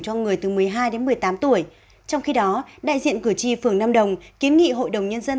cho người từ một mươi hai đến một mươi tám tuổi trong khi đó đại diện cử tri phường nam đồng kiến nghị hội đồng nhân dân